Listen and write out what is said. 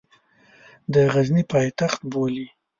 د غزني پایتخت بولي.